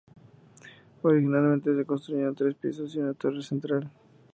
Originalmente se construyeron tres pisos y una torre central.